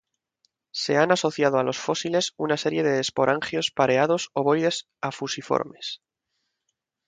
Se han asociado a los fósiles una serie de esporangios pareados ovoides a fusiformes.